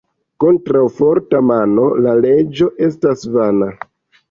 Kontraŭ forta mano la leĝo estas vana.